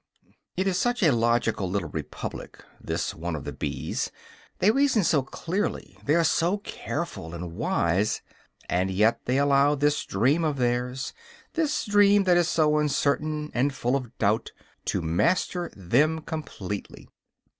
It is such a logical little republic, this one of the bees; they reason so clearly, they are so careful and wise; and yet they allow this dream of theirs, this dream that is so uncertain and full of doubt, to master them completely.